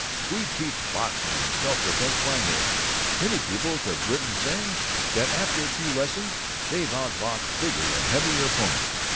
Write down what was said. We teach boxing and self defense by mail. Many pupils have written saying that after a few lessons they've outboxed bigger and heavier opponents.